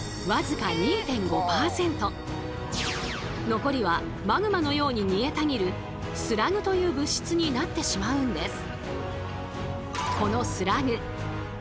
残りはマグマのように煮えたぎるスラグという物質になってしまうんです。